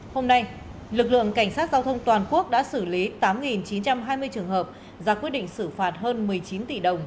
hôm nay lực lượng cảnh sát giao thông toàn quốc đã xử lý tám chín trăm hai mươi trường hợp ra quyết định xử phạt hơn một mươi chín tỷ đồng